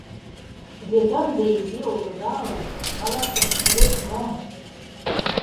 Вет ынде изи огыдал, каласыме кӱлеш мо!